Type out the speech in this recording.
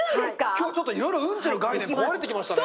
今日はちょっといろいろうんちの概念壊れてきましたね！